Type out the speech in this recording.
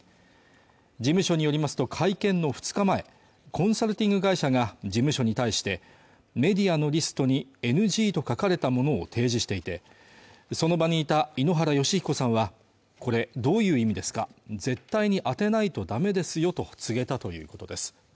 事務所によりますと会見の２日前コンサルティング会社が事務所に対してメディアのリストにＮＧと書かれたものを提示していてその場にいた井ノ原快彦さんはこれどういう意味ですか絶対に当てないとダメですよと告げたということです